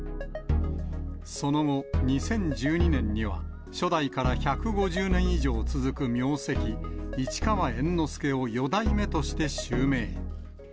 その後、２０１２年には、初代から１５０年以上続く名跡、市川猿之助を四代目として襲名。